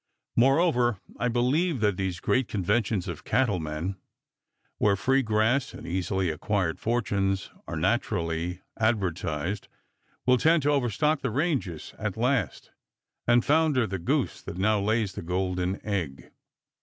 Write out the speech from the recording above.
Moreover, I believe that these great conventions of cattlemen, where free grass and easily acquired fortunes are naturally advertised, will tend to overstock the ranges at last and founder the goose that now lays the golden egg.